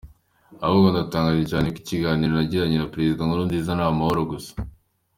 Ahubwo ndatangaye cyane kuko ikiganiro nagiranye na Perezida Nkurunziza ni amahoro gusa.